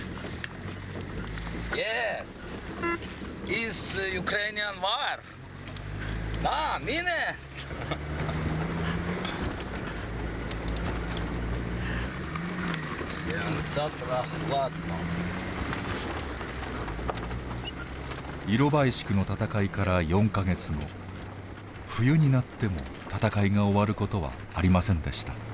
イロバイシクの戦いから４か月後冬になっても戦いが終わることはありませんでした。